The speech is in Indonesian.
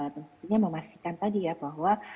tentunya memastikan tadi ya bahwa